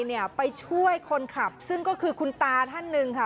เนี่ยไปช่วยคนขับซึ่งก็คือคุณตาท่านหนึ่งค่ะ